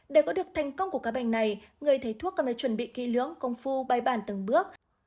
để có được thành công của ca bệnh này người thấy thuốc cần phải chuẩn bị kỹ lưỡng công phu bài bản từng bước